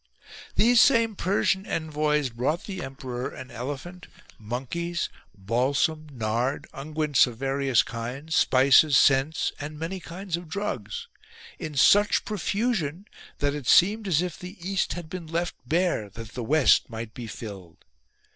These same Persian envoys brought the emperor an elephant, monkeys, balsam, nard, unguents of various kinds, spices, scents and many kinds of drugs : in such profusion that it seemed as if the east had been left bare that the west might be filled.